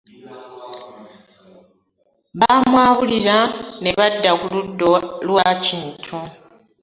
Bamwabulira ne badda ku ludda lwa Kintu.